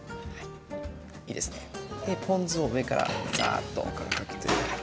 ポン酢を上からザーッとかけてください。